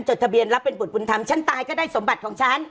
ทะเบียนรับเป็นบุตรบุญธรรมฉันตายก็ได้สมบัติของฉัน